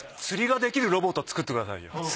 釣りができるロボットを作ってくださいよ。